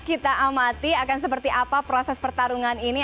kita amati akan seperti apa proses pertarungan ini